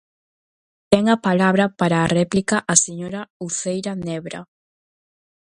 Ten a palabra para a réplica a señora Uceira Nebra.